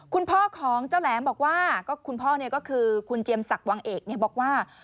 คุณพ่อของเจ้าแหลมบอกว่าก็คุณพ่อก็คือคุณเจียมศักดิวังเอกบอกว่า